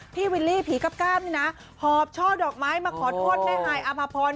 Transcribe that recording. วิลลี่ผีกับกล้ามนี่นะหอบช่อดอกไม้มาขอโทษแม่ฮายอภพร